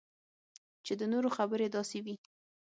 چې د نورو خبرې داسې وي